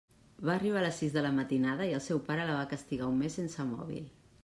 Va arribar a les sis de la matinada i el seu pare la va castigar un mes sense mòbil.